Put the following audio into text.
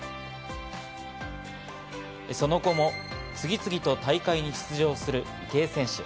その後も次々と大会に出場する池江選手。